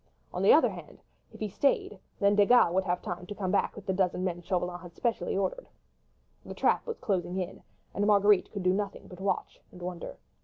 On the other hand, if he stayed, then Desgas would have time to come back with the half dozen men Chauvelin had specially ordered. The trap was closing in, and Marguerite could do nothing but watch and wonder.